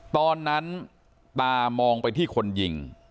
ตอนนั้นตามองไปที่คนยิง